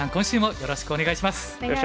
よろしくお願いします。